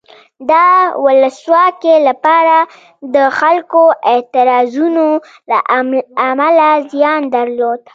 د ولسواکۍ لپاره د خلکو اعتراضونو له امله زیان درلود.